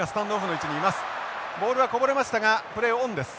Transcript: ボールはこぼれましたがプレーオンです。